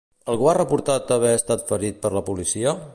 Algú ha reportat haver estat ferit per la policia?